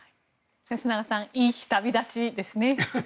吉永さん「いい日旅立ち」ですね。